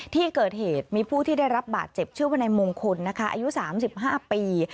ที่เกิดเหตุมีผู้ที่ได้รับบาดเจ็บชื่อวนายมงคลนะคะอายุ๓๕ปี